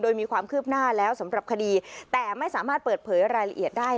โดยมีความคืบหน้าแล้วสำหรับคดีแต่ไม่สามารถเปิดเผยรายละเอียดได้